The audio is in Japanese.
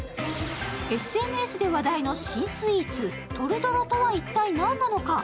ＳＮＳで話題の新スイーツ、トルドロとは一体何なのか？